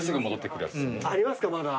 ありますかまだ。